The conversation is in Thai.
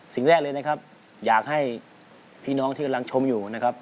สิ่งแรกเลยนะครับอยากให้พี่น้องที่กำลังชมอยู่นะครับ